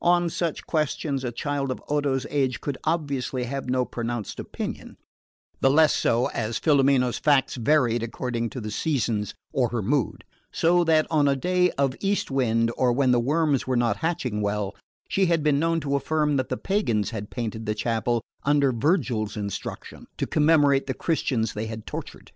On such questions a child of Odo's age could obviously have no pronounced opinion, the less so as Filomena's facts varied according to the seasons or her mood, so that on a day of east wind or when the worms were not hatching well, she had been known to affirm that the pagans had painted the chapel under Virgil's instruction, to commemorate the Christians they had tortured.